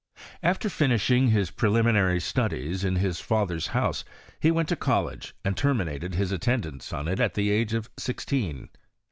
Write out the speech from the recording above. After finishing his preliminary studies in his father's bouse, he went to college, and terminated his at tendance on it at the age of sixteen.